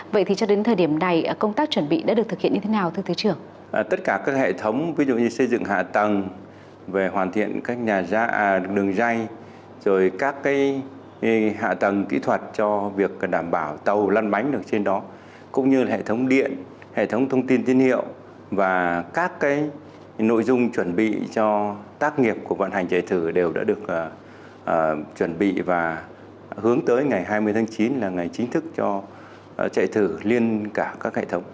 và các nội dung chuẩn bị cho tác nghiệp của vận hành chạy thử đều đã được chuẩn bị và hướng tới ngày hai mươi tháng chín là ngày chính thức cho chạy thử liên cả các hệ thống